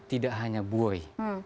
tidak hanya bui